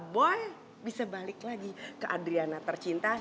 boy bisa balik lagi ke adriana tercinta